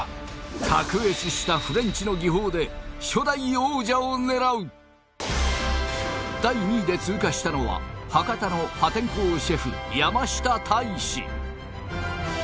卓越したフレンチの技法で初代王者を狙う第２位で通過したのは博多の破天荒シェフ山下泰史